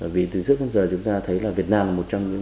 vì từ trước đến giờ chúng ta thấy là việt nam là một trong những